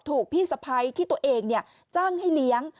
ถูกพี่สะพ้ายที่ตัวเองจ้างให้เลี้ยง